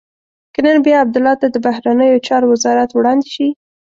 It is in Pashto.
که نن بیا عبدالله ته د بهرنیو چارو وزارت وړاندې شي.